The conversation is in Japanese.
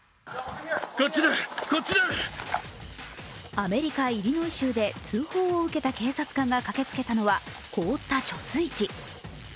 アメリカ・イリノイ州で通報を受けた警察官が駆けつけたのは凍った貯水池。